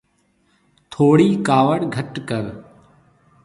ٿُوڙِي ڪاوڙ گهٽ ڪر۔